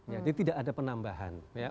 jadi tidak ada penambahan